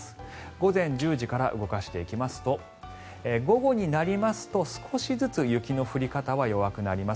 午前１０時から動かしていきますと午後になりますと少しずつ雪の降り方は弱くなります。